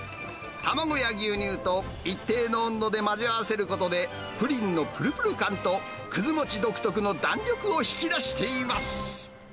卵や牛乳と一定の温度で混ぜ合わせることで、プリンのぷるぷる感と、くず餅独特の弾力を引き出しています。